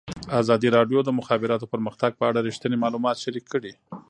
ازادي راډیو د د مخابراتو پرمختګ په اړه رښتیني معلومات شریک کړي.